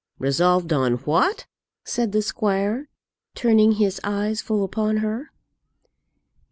"Resolved on what?" said the squire, turning his eyes full upon her.